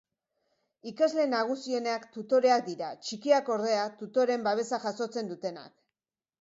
Ikasle nagusienak tutoreak dira, txikiak ordea, tutoreen babesa jasotzen dutenak.